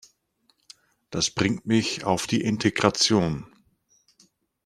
Das bringt mich auf die Integration.